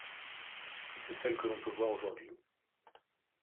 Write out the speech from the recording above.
C’est celle que l’on peut voir aujourd’hui.